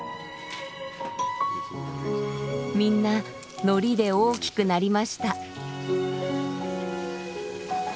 みんなのりで大きくなりました。